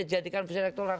jadikan fungsi elektoral